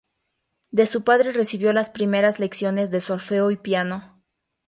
De su padre recibió las primeras lecciones de solfeo y piano.